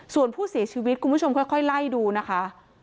ส่วนผู้เสียชีวิตคุณผู้ชมค่อยไล่ดูนะคะ